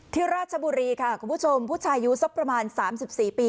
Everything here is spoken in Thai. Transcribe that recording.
ที่ราชบุรีค่ะคุณผู้ชมผู้ชายอยู่สักประมาณสามสิบสี่ปี